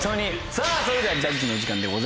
さあそれではジャッジの時間でございます。